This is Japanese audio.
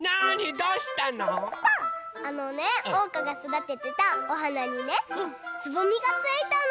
あのねおうかがそだててたおはなにねつぼみがついたの！